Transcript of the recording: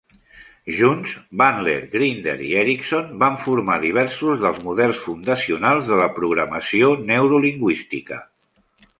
Junts, Bandler, Grinder i Erickson van formar diversos dels models fundacionals de la programació neurolingüística.